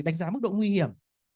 đánh giá mức độ nguy hiểm